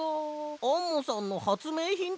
アンモさんのはつめいひんってこと？